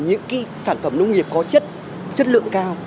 những sản phẩm nông nghiệp có chất lượng cao